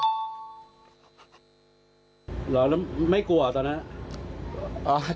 เหรอแล้วไม่กลัวตอนนั้น